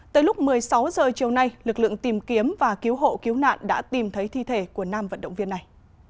tới lúc một mươi sáu h chiều nay lực lượng tìm kiếm và cứu hộ cứu nạn đã tìm thấy thi thể của nam vận động viên này